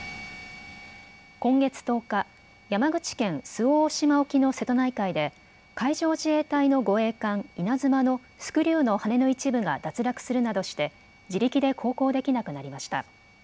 今月１０日、山口県周防大島沖の瀬戸内海で海上自衛隊の護衛艦、いなづまのスクリューの羽根の一部が脱落するなどして自力で航行できなくなりました。